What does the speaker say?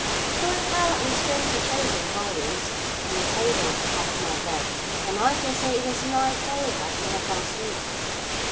So I piled at least twenty chosen volumes on the table at the head of my bed, and I daresay it was nigh daylight when I fell asleep.